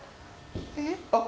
えっ？